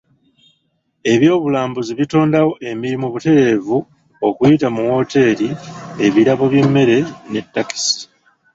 Eby'obulambuzi bitondawo emirimu butereevu okuyita mu woteeri, ebirabo by'emmere ne takisi.